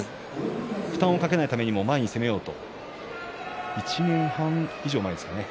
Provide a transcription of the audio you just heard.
負担をかけないためにも前に攻めようと、１年半以上前ですかね